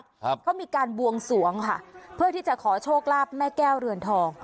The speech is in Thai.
ครับเขามีการบวงสวงค่ะเพื่อที่จะขอโชคลาภแม่แก้วเรือนทอง